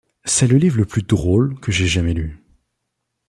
C’est le livre le plus drôle que j’ai jamais lu.